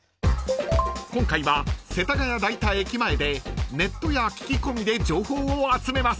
［今回は世田谷代田駅前でネットや聞き込みで情報を集めます］